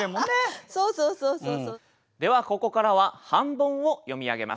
ではここからは半ボンを読み上げます。